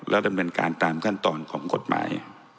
แล้วดำเนินการตามขั้นตอนของกฎหมาย